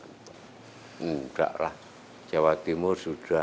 enggak lah jawa timur